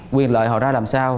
quyền lợi họ ra làm sao